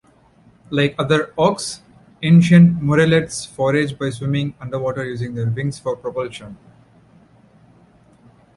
Like other auks, ancient murrelets forage by swimming underwater using their wings for propulsion.